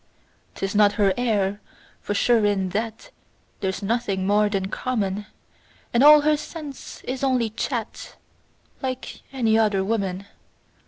'Tis not her air, for sure in that There's nothing more than common; And all her sense is only chat Like any other woman.